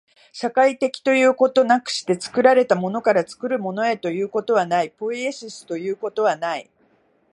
社会的ということなくして、作られたものから作るものへということはない、ポイエシスということはない。